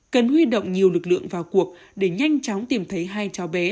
cần huy động nhiều lực lượng vào cuộc để nhanh chóng tìm thấy hai cháu bé